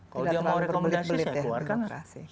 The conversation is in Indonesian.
kalau dia mau rekomendasi saya keluarkan